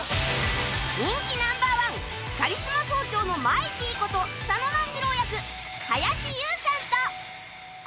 人気ナンバーワンカリスマ総長のマイキーこと佐野万次郎役林勇さんと